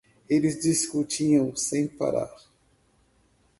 Eles discutiam sem parar.